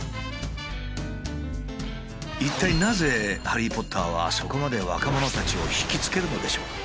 一体なぜハリー・ポッターはそこまで若者たちをひきつけるのでしょう？